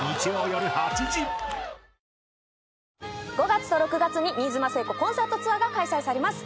５月と６月に新妻聖子コンサートツアーが開催されます。